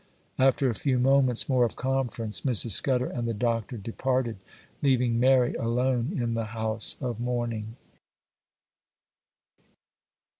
After a few moments more of conference, Mrs. Scudder and the Doctor departed, leaving Mary alone in the house of mourning.